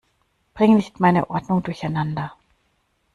Bring nicht meine Ordnung durcheinander!